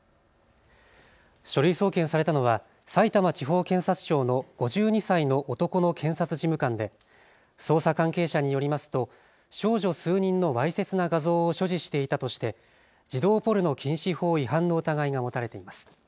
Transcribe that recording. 書類送検されたのはさいたま地方検察庁の５２歳の男の検察事務官で捜査関係者によりますと少女数人のわいせつな画像を所持していたとして児童ポルノ禁止法違反の疑いが持たれています。